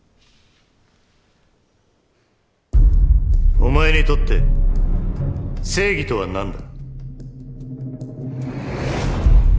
お前にとって正義とはなんだ？